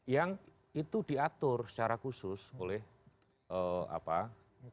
yang itu diatur secara khusus oleh aparat